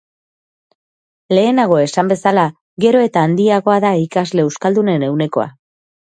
Lehenago esan bezala, gero eta handiagoa da ikasle euskaldunen ehunekoa.